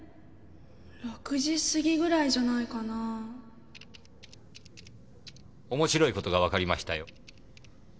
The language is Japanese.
〔６時すぎぐらいじゃないかな〕おもしろいことがわかりましたよ。